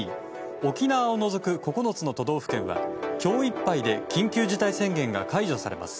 沖縄を除く９つの都道府県は今日いっぱいで緊急事態宣言が解除されます。